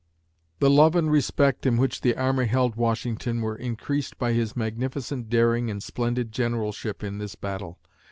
The love and respect in which the army held Washington were increased by his magnificent daring and splendid generalship in this battle.